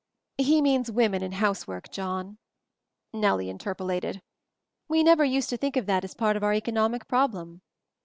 "He means women, in housework, John," Nellie interpolated. "We never used to think of that as part of our economic prob lem."